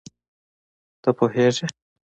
ته پوهېږې